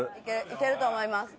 いけると思います。